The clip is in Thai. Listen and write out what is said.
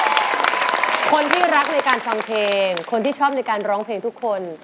คนที่รักในการฟังเพลงคนที่ชอบในการร้องเพลงทุกคน